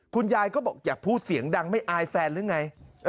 คุณยายก็บอกอยากพูดเสียงดังไม่อายแฟนหรือไง